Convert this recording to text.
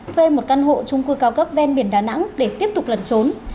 thuê một căn hộ chung cư cao cấp ven biển đà nẵng để tiếp tục lần trốn